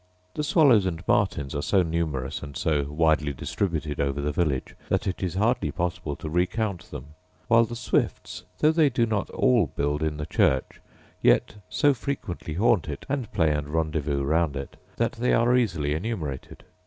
The swallows and martins are so numerous, and so widely distributed over the village, that it is hardly possible to recount them; while the swifts, though they do not all build in the church, yet so frequently haunt it, and play and rendezvous round it, that they are easily enumerated.